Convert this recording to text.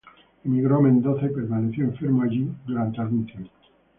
Emigró a Mendoza, y permaneció enfermo allí por algún tiempo.